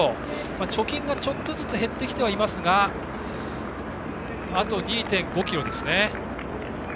貯金がちょっとずつ減ってきてはいますがあと２．５ｋｍですね。